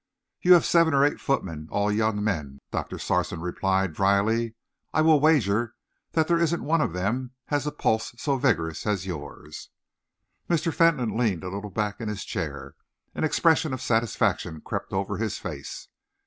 "You have seven or eight footmen, all young men," Doctor Sarson replied drily. "I will wager that there isn't one of them has a pulse so vigorous as yours." Mr. Fentolin leaned a little back in his chair. An expression of satisfaction crept over his face.